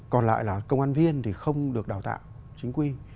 còn lại là công an viên thì không được đào tạo chính quy